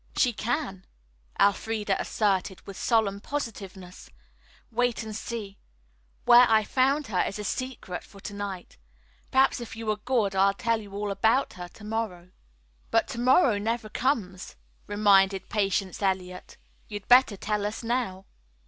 "She can," Elfreda asserted with solemn positiveness. "Wait and see. Where I found her is a secret for to night. Perhaps if you are good, I'll tell you all about her to morrow." "But to morrow never comes," reminded Patience Eliot. "You'd better tell us now."